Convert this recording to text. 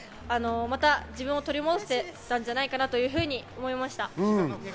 また自分を取り戻せたんじゃないかというふうに思いました。